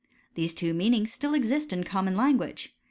Thess two meanings still exist in common language.